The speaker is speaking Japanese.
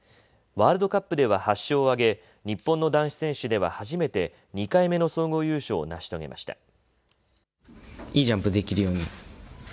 ワールドカップでは８勝を挙げ日本の男子選手では初めて２回目の総合優勝を成し遂げました。